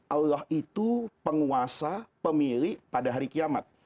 allah itu penguasa pemilik pada hari kiamat